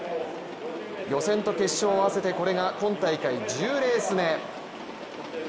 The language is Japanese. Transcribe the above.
予選と決勝合わせてこれが今大会１０レース目。